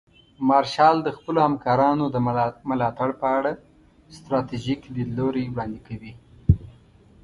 مارشال د خپلو همکارانو د ملاتړ په اړه ستراتیژیک لیدلوري وړاندې کوي.